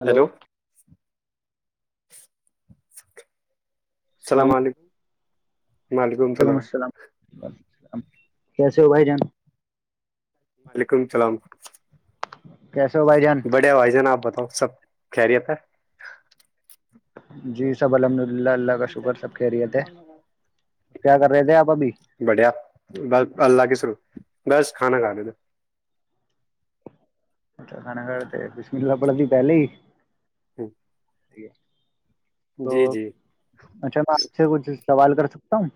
Hello hello [inaudible] السلام علیکم وعلیکم السلام السلام کیسے ہو بھائی جان وعلیکم سلام کیسے ہو بھائی جان بڑیا بھائی جان آپ بتا اور سب کہری ہے تھا جی سب الحمد للہ اللہ کا شکر سب خیریت ہے کیا کر رہے تھے آپ ابھی بڑھیا ب اللہ کے شرو بس کھانا کھا لی دو اچھا خان گڑ بشملہ پڑتی پہلے ہی ہوں تو اچھا میںج سے کچھ سوال کر سکتا ہوں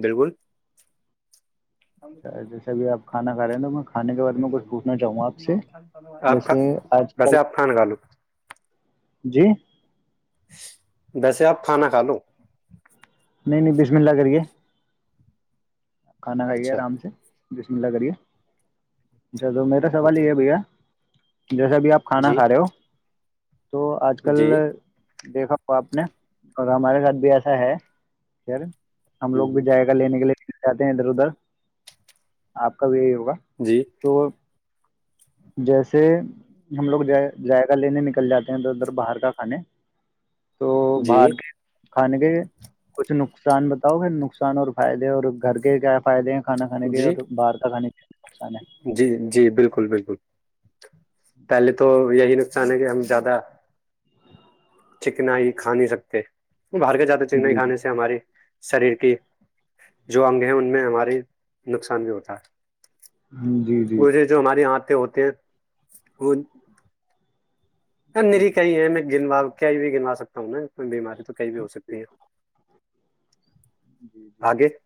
بالکل اچ جیسے بھی آپ کھانا کھا رہے ہیں تو میں کھانے کے بارے میں کچھ پوچھنا چاہوں گا آپ سے آپ کا جیسے آج ویسے کل آپ کھانا کھا لو جی ویسے آپ کھانا کھا لو نہیں نہیں بیس منلہ کریے کھانا کھائی گیا اچھا آرام سے جسملہ کرے اچھا تو میرا سوال اوکے یہ ہے بھیا جیسا بھی آپ کھانا جی کھا رہے ہو تو آج کل جی دیکھا آپ نے اور ہمارے ساتھ بھی ایسا ہے پھر ہم لوگ بھی ہوں، جائے گا لینے کے لیے جاہتے ہیں ادھر ادھر آپ کا بھی جی تو جیسے ہم لوگ جائقہ لینے نکل جاتے ہیں ادھر ادھر باہر کا کھانے تو جی باہر کے کھانے کے کچھ نقصان بتاؤ گھر نقصان اور فائدے اور گھر کے کیا فائدے ہیں کھانا کھانے کے جی جی اور باہر کا کھانے آان ہے بکل بالکل پہلے تو یہی نقصان ہے کہ ہم زیادہ چکنائی کھا نہیں سکتے وہ باہر کے جاتے ہے چکنائی جی جی کانے سے ہماراری شریر کی جو انگ ہیں ان میں ہماری نقصان بھی ہوتا ہے جی جی وہھے جو ہماری یہاں ہوتے ہیں وہ ہ جی نری کئی ہے م گنوا کیا بھی گنوا سکتا ہوں نا بیماری تو کئی بھی ہو سکتی جی ہے جی آگے [unintelligible]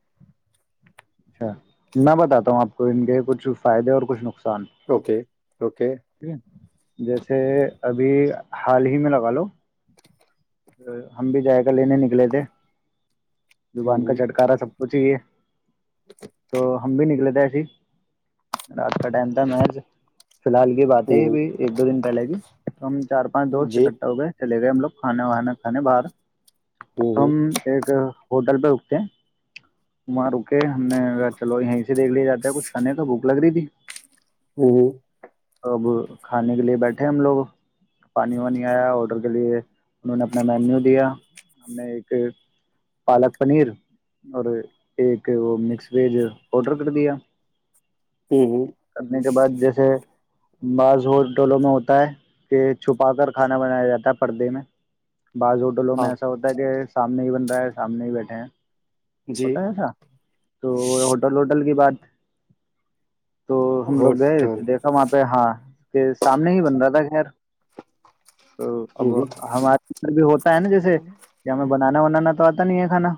اچ میں باتا ہوں آپ کو ان کے کچھ فائدے اور کچھ نقصان اوکے [unintelligible] ٹھیک ہے جیسے ابھی [unintelligible] حال ہی میں لگا لو ہم بھی جائے گا لینے نکلے تھے زبان کا چھٹکارا سب کچھ ہی یہ تو ہم بھی نکلے تھے [unintelligible] رات کا ٹائم تھا مح [unintelligible] فی الحال کی بات ہے یہ ایک دو دن پہلے کی تو ہم چار پانچ دوست جی اکٹھا ہو گئے لے گئے ہم لگ کاناانا کان باہر تو ہم ایک ہوٹ ڈل پہ رکتے وہاں رکے [unintelligible] چلو یہیں سے دیکھ لیا جاتی ا کچھ کھانے تو بوک لگ رہی تھی ہوں [unintelligible] توب کھانے کے لیے بیٹھے ہم لوگ پانی وانی آیا آڈر کے لیے انہوں نے اپنا مینیو دیا ہم نے ایک پالک پنیر اور ایک وہ مکس ویج آڈر کر دیا ہوں ہ کرنے [unintelligible] کے بعد جیسے بس ہو ٹولو میں ہوتا ہے کہ چھپا کر کھانا بنایا جاتا ہے پردے میں بعض ہوٹلوں ہاں میں ایسا ہوتا ہے کہ سامنے ہی بن رہا ہے سامنے ہی بیٹھے ہیں جی ہوتا ہے ایسا تو ہوٹل ووٹل کی بات تو ہم لوگ گئے ہوٹل تھے دیکھا وہاں پہ ہاں کہ سامنے ہی بن رہا تھا خیر تو اب ہمارے بھی ہوتا ہے نا جیسے کہ ہمیں ب نانا ونانا تو آتا نہیں ہے کھانا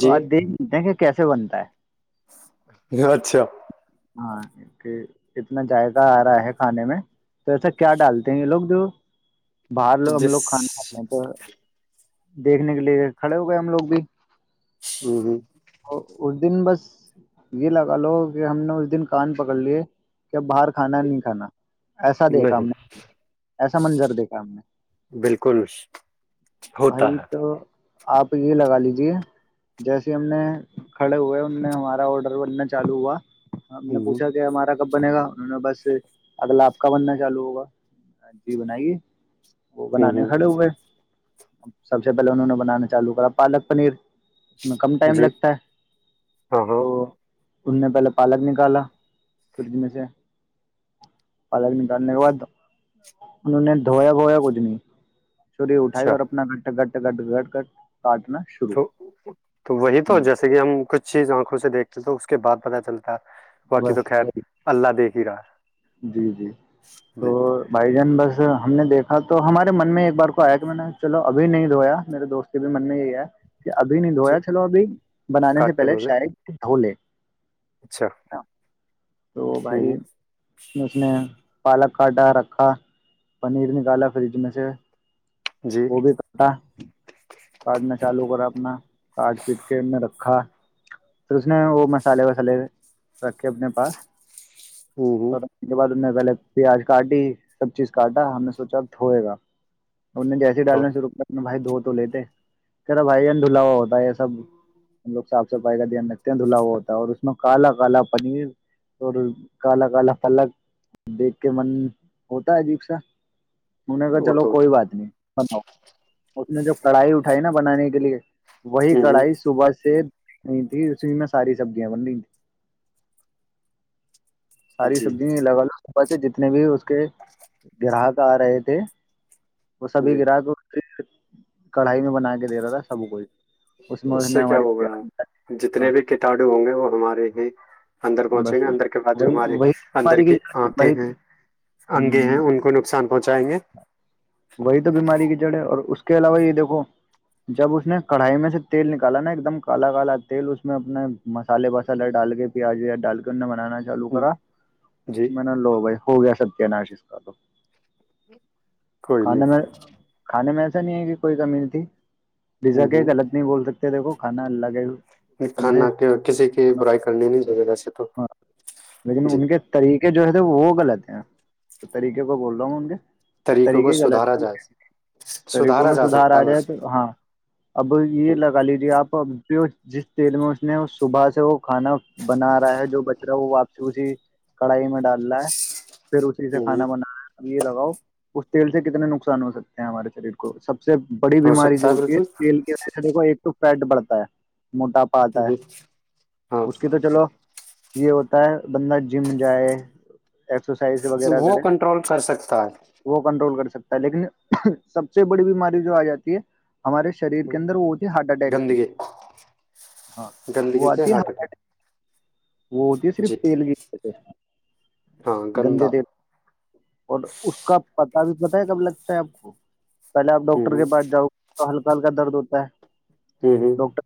تو آج دیکھ لیتے ہیں کہ کیسے بنتا ہے اچھا ہاں کہ اتنا جائقہ آ رہا ہے کھانے میں تو ایسا کیا ڈالتے ہیں یہ لوگ جو باہر لو ہم جس لوگ کھان آپ تو [unintelligible] دیکھنے کے لیے کھڑے ہو گئے ہم لوگ بھی ھمم ھمم اور اس دن بس یہ لگا لو کہ ہم نے اس دن کان پکڑ لیے کہ اب باہر کھانا نہیں کھانا ایسا دیکھا نہیں ہم نے ایسا منظر دیکھا ہم نے بالکل ہوتا بھائی تو آپ یہ لگا لیجیے جیسے ہم نے کھڑے ہوئے ان میں ہمارا آڈر بننا چالو ہوا ہم نے ہے پوچھا کہ ہمارا کب بنے گا انہوں نے بس اگلا آپ کا بننا چالو ہوگا جی بنائیے وہ بنانے کھڑے ہوئے ا سب سے پہلے انہوں نے بنانا چالو کرا پالک پنیر اس میں کم ٹائم جی لگتا ہے ہاں ہاں تو ان نے پہلے پالک نکالا فریج میں سے پالک نکالنے کے بعد انہوں نے دھویا بھویا کچھ نہیں چوری اٹھائی اچھا اور کٹ کٹ کٹ گٹ کٹ تو تو وہی تو جیسے کہ ہم کچھ چیز آنکھوں سے دیکھتے تو اس کے بعدتہ چلتا ہے باقی تو بس خیر اللہ دیکھ ہی رہا ہے جی جی تو جی بھائی جان بس ہم نے دیکھا تو ہمارے من میں ایک بار کو آیا کہ میں نے چلو ابھی نہیں دھویا میرے دوست کے بھی من میں یہی ہے کہ ابھی نہیں جی دھویا چلو ابھی بنانے سے کاٹ کے پہلے دولے شاید دھو لے اچھا تو ہوں بھائی [inaudible] پالک کاٹا رکھا پنیر نکالا فریج میں سے جی وہ بھی کاٹا کاٹنا چالو کرا اپنا کاٹ پیٹ کے میں رکھ کھا پھر اس نے وہ مسالے وسالے رکھے اپنے پاس [inaudible] اور اس کے بعد میں پہلے پیاز کاٹیی سب چیز کاٹا ہم نے سوچا ہوئے گا انہ نے جیسے ہاں ڈالنا شرو کرا نا بھائی دو لیتے کہہ رہا بھائی یار دہلہا ہوا ہوتا یہ سب ہم لوگ س صفائی کا دھیان رکھتے ہیں دھلا ہوا ہوتا ہے اور اس میں کالا کالا پنیر اور کالا کالا لگ دیکھ کے من ہوتا ہے عجیب سا ان نے کہا وہ چلو تو کوئی ہوتا بات نہیں اس نے جو کڑھائی اٹھائی نا بنانے کے لیے وہی ہوں کڑھائی ہوں صبح سے نہیں اس بھی میں ساری سبزیا بن رہی ساری جی سبزی [inaudible] لگاو بچے جتنے بھی اس کہ گراہک آ رہے تھے وہ سبھی جی گراہک کڑھائی میں بنا کے دے رہا تھا سب کوھ اس سے کیا ہوگا ہاں، جتنے بھی کٹانو ہوں گے وہ ہمارے جی اندر پہنچیں گے بس اندر کے بعد جو وہی ہمارے وہی اندر بیماری کے کی جڑ، آنتے وہی ہیں انگے ہیں ہوں، ان کو نقصان پہنچائیں وہی تو بیماری کی جڑ ہے اور اس اس کے علاوہ یہ دیکھو جب اس نے کڑھائی میں سے تیل نکالا نا ایک دم کالا کالا تیل اس میں اپنے مسالے وسالے ڈال کے پیاز ویاز ڈال کے ان نے بنانا چالو گے کرا جی میں نے لو بائھی ہو گیا ستیہ ناش اس کا تو کوئی نہیں کھانے میں کھانے میں ایسا نہیں ہے کہ کوئی کمی نہیں تھی ڈزا ہوں کہ ہوں غلط نہیں بول سکتے دیکو کھانا لگے ہو سے کھانا کے کسی کی برائی کرنی نہیں چاہیے ویسے تو ہاں لیکن جی ان کے طریقے جو ہے تھے وہ غلط ہیں طریقے کو بول رہا ہوں ان کے طریقوں کو طریقے سدھارا غلط ہے جائے طریقوں سدھارا میں جا سدھار سکتا آ ہے جائے بس تو ہاں اب یہ لگا لیجیے آپ اب جس تیل میں اس نے صبح سے وہ کھانا بنا رہا ہے جو بچ رہا ہے وہ واپسی اسی کڑھائی میں ڈال رہا ہے پھر اسی سے ہ کھانا بنانا ہے اب یہ لگاؤ اس تیل سے کتنے نقصان ہو سکتے ہیں ہمارے شریر کو سب سے بڑی ہو بیماری جو سکتا ہوتی ہے بالکل تیل کے و چے کو ایک ٹ فٹ بڑتا ہے موٹاپا آتا ہے جی ہاں اس کی تو چلو یہ ہو ہے بندہ جم جائے ایکسرسائز وغیرہ وہ کرے کنٹرول کر سکتا ہے وہ کنٹرول کر سکتے لیکن سب سے بڑی بیماری جو آ جاتی ہے ہمارے شریر کے اندر وہ ہوتی ہے ہارٹ اٹیک کی گندگی ہاں وہ گندگی سے آتی ہے ہارٹ ہار اٹیک ایک وہ ہوتی ہے صرف جی تیل کی ہاں گندے گندا تیل اور اس کا پتا بھی پتا ہے کب لگتا ہے آپ کو پہلے آپ ہ ڈاکٹر ہ کے پاس جاؤ ہل پل کا درد ہوتا ہے ہ ہ ڈاکٹر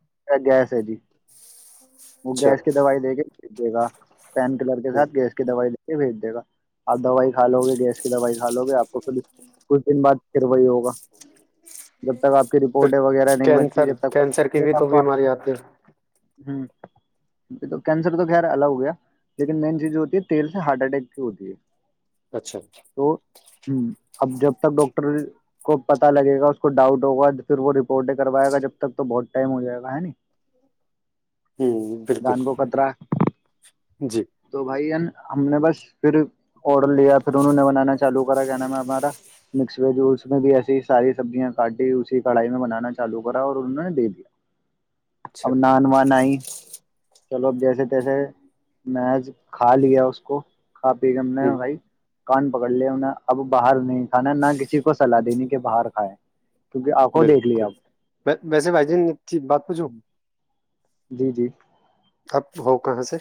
گیس [unintelligible] وہ اچھا گیس کی دوائی دے گ جے گا پین کلر کے ساتھ گیس کی دوائی یہ بھیج دے گا اور دوائی کھا لو گے گیس کی دوائی کھ لو گے آپ کو خود کچھ دن بعد پھر وہی ہوگ جب تک آپ کی پھر رپورٹ وغیرہ نہیں بنے گی کینسر جب کینسر کی بھی تو تک ہ بیماری آتی ہے تو کینسر تو خیر الگ ہو گیا لیکن مین چیز جو ہوتی ہے تیل سے ہارٹ اٹیک کی ہوتی ہے اچھا تو ہ اب جب تک ڈاکٹر ڈٹر کو پتا لگے گا اس کو ڈاؤٹ ہوگا پھر وہ رپورٹ کروائے گا جب تک تو بہت ٹائم ہو جائے گا ہے ن ہ بالکل دان کوو کطرا جی تو بھائی ہے ہم نے بس پھر اور لیا پھر انہوں نے بنانا چالو کر نام ہمارا مس ویج اس میں بھی ایسی ساری سبزیاں کاٹی اسی کڑھائی میں بنانا چالو کرا اور انہوں نے دے دیا اچھا اب نان وان آئ چلو ا جیسے تیسے میںج کھا لیا اس کو کاف بیگم نے ہ بھائی کان پکڑ لیا ان اب باہر نہیں کھانا نہ کسی کو سلاح دینی کہ باہر کھائے کیونکہ آنکھوں دیکھ لیا بالکل آپ ویسے بھائی جن بات پوھو جی جی کب ہو کہاں سے؟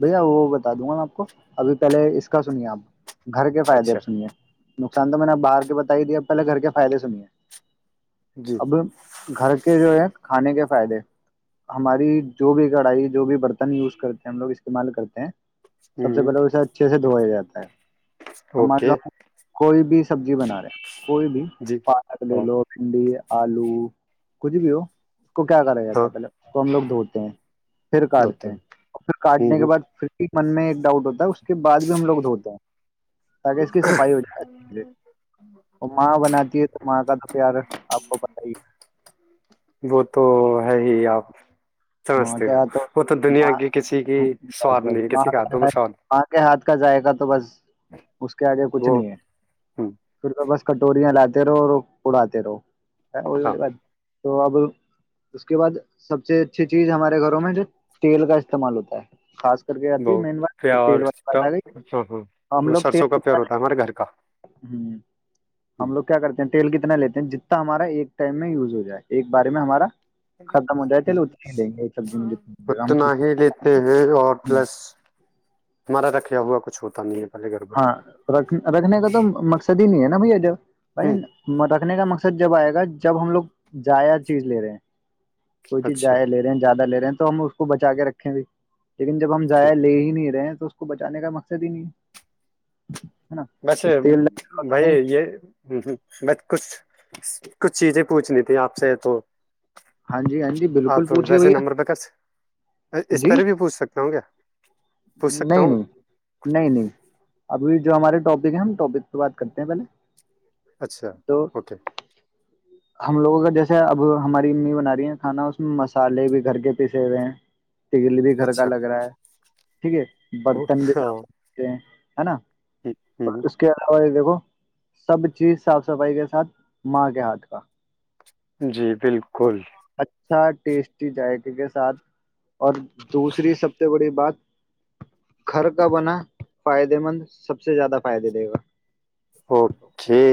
بھیا وہ بتا دوں گا میں آپ کو ابھی پہلے اس کا سنیے آپ گھر کے فائدے اچھا آپ سنیے نقصان تو میں نے اب باہر کے بتا ہی دیا اب پہلے گھر کے فائدے سنیے جی اب گھر کے جو ہے کھانے کے فائدے ہماری جو بھی کڑھائی جو بھی برتن یوز کرتے ہیں ہم لوگ استعمال کرتے ہیں سب سے پہلے اسے اچھے سے دھویا جات ہے ہاں ہمار لوگ کوئی بھی سبزی بنا رہے کوئی بھی پالک لے لو بھنڈی آلو کچھ بھی ہو کو کیا کرا جاتا ہے پہلے اس کو ہم لوگ دھوتے ہیں پھر کاٹتے ہیں ھر کاٹنے کے بد پھر من میں ایک ڈاؤٹ ہوتا ہے اس کے بع بھی ہم لوگ دھوتے ہیں تاکہ اس کی صفائی ہو جائےے اور ماں بناتی ہے تو ماں کا د یار آپ کو پت ہی ہے وہ تو ہے ہی آپ ماں کے ہاتھ بس بس ماں کے ہاتھ کا ذائقہ تو بس اس کے آگے کچھ نہیں ہے پھر وہ بس کٹوریاں لی تیرہ اور پڑا تیرہ ہ وہی والی بات تو اب اس کے بعد سب سے اچھی چیز ہمارے گھروں میں جو تیل کا استعمال ہوتا ہے خاص آ ب تیل وال ب گئی ہم لوگ تیل کتنا ہم لوگ کیا کرتے ہیں تیل کتنا لیتے جتنا ہمارا ایک ٹائم میں یوز ہو جائے ایک بارے میں ہمارا ختم ہو جائے تیل ہوں اتنے ہی لیں گے ایک سبزی میں جتنا لگے گا ہم اتنا ہی لیتے ہیں اور اتنے- پلس ہمارا ر رکھ ہوا کچھ ہوتا نہیں ہے ہاں رکھ رکھنے کا تو مقصد د نہیں ہے ن بائی اجب ب مٹ [unintelligible] نے کا مقصد جب آئے گا جب ہم لوگ ضائ چیز لے رہے ہیں کوئی چیز جائے لے رہے ہیں زیادہ لے رہ تو ہم اس کو بچا کے رکھیں بھی لیکن جب ہم جائیا لے ہی نہیں رہے تو اس کو بچانے کا مقصد ہی نہیں ہے ہ ہ [inaudible] بسے بھائی یہ میں کچھ کچھ چیزیں پوچھنیھی [unintelligible] آپ سے تو ہاں جی ہاں جی بالکل آپ پوچھیے ویسے بھیا نمبر پہ کر اس جی پر بھی پوچھ سکتا ہوں کیا پوچھ سکتا نہیں ہوں نہیں نہیں نہیں ابھی جو ہمارے ٹاپک ہے ہم ٹاپک سےہ بات کرتے ہیں پہلے اچھا تو اوکے [unintelligible] ہم لوگوں کا جیسے اب ہماری امی بنا رہی ہیں کھانا اس میں مسالے بھی گھر کے پیسے ہوئے ہیں تل بھی گھر کا اچھا لگ رہا ہے ٹھیک ہے او- برتن ہاں ہوں، بھیتے ہیں ہے نا ہوں، اور اس کے علاوہ سب چیز صاف سفائی کے ساتھ ماں کے ہاتھ و [unintelligible] جی بالکل اچھا ٹیسٹی ذائقے کے ساتھ اور دوسری سب سے بڑی بات گھر کا بنا فائدے مند سب سے زیادہ فائدے دے گا اوکے [unintelligible]